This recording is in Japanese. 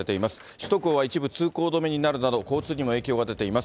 首都高は一部通行止めになるなど、交通にも影響が出ています。